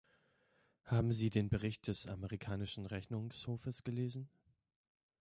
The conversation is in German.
Haben Sie den Bericht des amerikanischen Rechnungshofes gelesen?